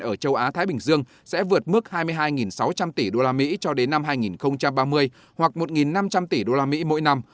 ở châu á thái bình dương sẽ vượt mức hai mươi hai sáu trăm linh tỷ usd cho đến năm hai nghìn ba mươi hoặc một năm trăm linh tỷ usd mỗi năm